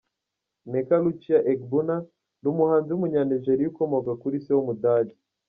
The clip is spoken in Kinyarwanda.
Nneka Lucia Egbuna, ni umuhanzi w’Umunya-Nigeria ukomoka kuri se w’Umudage.